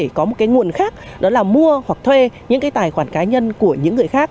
chỉ có một cái nguồn khác đó là mua hoặc thuê những cái tài khoản cá nhân của những người khác